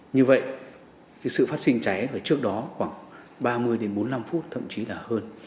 như vậy sự phát sinh cháy trước đó khoảng ba mươi đến bốn mươi năm phút thậm chí là hơn